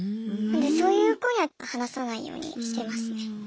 そういう子には話さないようにしてますね。